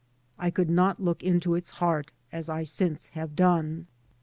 I could not look into its heart as I since have done.